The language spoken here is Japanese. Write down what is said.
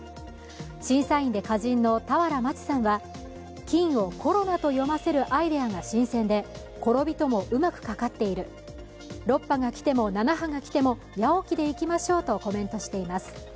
審査員で歌人の俵万智さんは、菌をコロナと読ませるアイデアが新鮮で、「ころび」ともうまくかかっている、６波が来ても７波が来ても八起でいきましょうとコメントしています。